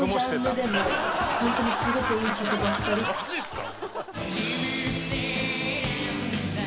「マジっすか！？」